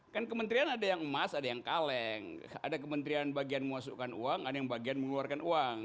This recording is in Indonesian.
kan kementerian ada yang emas ada yang kaleng ada kementerian bagian memasukkan uang ada yang bagian mengeluarkan uang